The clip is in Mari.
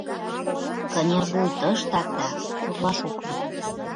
— Кынервуй тыштак, да пурлаш ок лий...